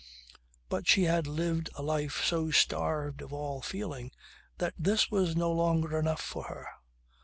But she had lived a life so starved of all feeling that this was no longer enough for her.